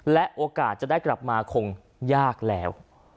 และโอกาสจะได้กลับมาคงยากแล้ว